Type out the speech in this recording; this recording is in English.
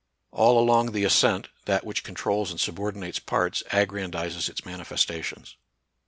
All along the ascent that which con trols and subordinates parts aggrandizes its man ifestations.